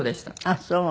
ああそう。